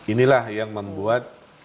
inilah yang membuat